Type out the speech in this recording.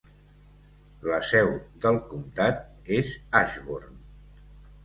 La seu del comtat és Ashburn.